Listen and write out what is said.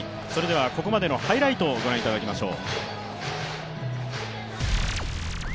ここまでのハイライトを御覧いただきましょう。